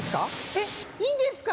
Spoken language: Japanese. えっいいんですか？